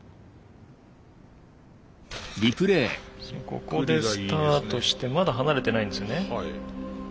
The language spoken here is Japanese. ここでスタートしてまだ離れてないんですよね。